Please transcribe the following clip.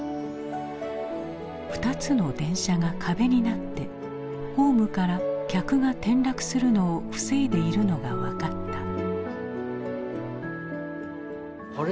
２つの電車が壁になってホームから客が転落するのを防いでいるのが分かった。